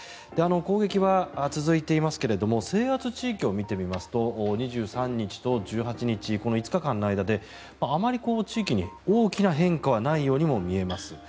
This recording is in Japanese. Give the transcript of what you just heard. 攻撃は続いていますけども制圧地域を見てみますと２３日と１８日この５日間の間であまり地域に大きな変化はないようにも見えます。